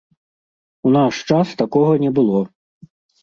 У наш час такога не было!